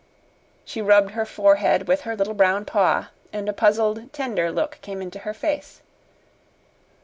She rubbed her forehead with her little brown paw, and a puzzled, tender look came into her face.